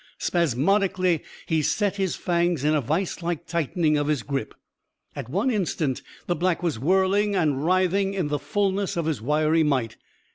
Spasmodically, he set his fangs in a viselike tightening of his grip. At one instant, the Black was whirling and writhing in the fulness of his wiry might.